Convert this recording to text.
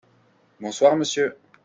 Bonsoir monsieur.